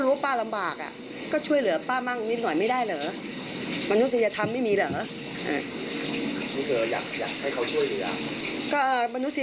ดูแลตัวเองไปอย่างนี้